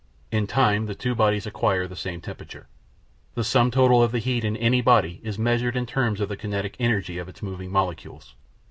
In time the two bodies acquire the same temperature. The sum total of the heat in any body is measured in terms of the kinetic energy of its moving molecules.